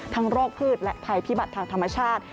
โรคพืชและภัยพิบัติทางธรรมชาติ